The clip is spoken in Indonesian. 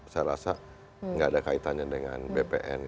saya rasa tidak ada kaitannya dengan bpn